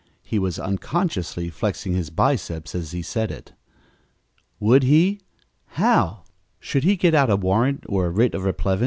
He was unconsciously flexing his biceps as he said it. Would he? How? Should he get out a search warrant or a writ of replevin?